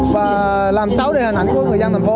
và làm xấu đi hình ảnh của người dân thành phố